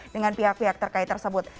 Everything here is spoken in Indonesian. dengan pihak pihak terkait tersebut